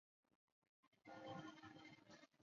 独自来到这里